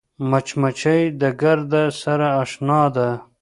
مچمچۍ له ګرده سره اشنا ده